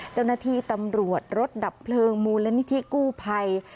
เจ้าหน้าที่ตำรวจรถดับเพลิงมูลนิธิกู้ภัย